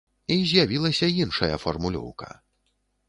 І з'явілася іншая фармулёўка.